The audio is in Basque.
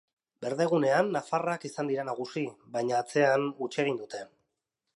Berdegunean nafarrak izan dira nagusi, baina atzean huts egin dute.